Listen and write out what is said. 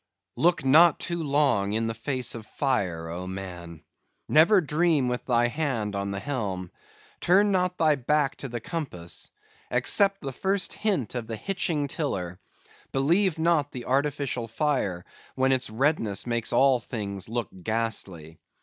Look not too long in the face of the fire, O man! Never dream with thy hand on the helm! Turn not thy back to the compass; accept the first hint of the hitching tiller; believe not the artificial fire, when its redness makes all things look ghastly.